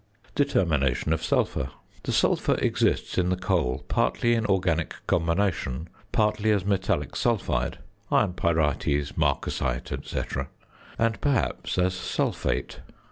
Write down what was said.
~Determination of Sulphur.~ The sulphur exists in the coal partly in organic combination, partly as metallic sulphide (iron pyrites, marcasite, &c.), and, perhaps, as sulphate.